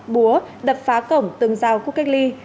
búa đập phá cổng từng giao khu cách ly